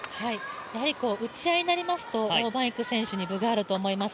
やはり打ち合いになりますと王曼イク選手に分があると思います。